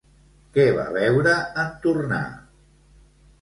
Què va veure en tornar?